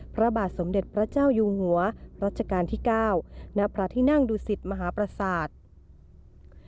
พระบาทสมเด็จพระเจ้าอยู่หัวรัชกาลที่๙ณพระที่นั่งดูสิตมหาประสาท